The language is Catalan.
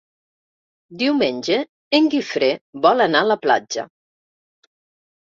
Diumenge en Guifré vol anar a la platja.